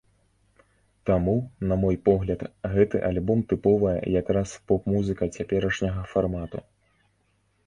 Таму, на мой погляд, гэты альбом тыповая як раз поп-музыка цяперашняга фармату.